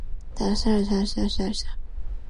Hayes was peacefully inaugurated.